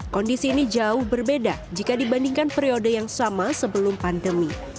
kondisi ini jauh berbeda jika dibandingkan periode yang sama sebelum pandemi